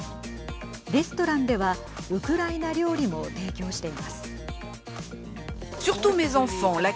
レストランではウクライナ料理も提供しています。